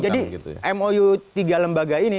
jadi mou tiga lembaga ini